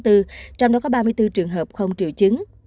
trong đó có ba mươi bốn trường hợp không triệu chứng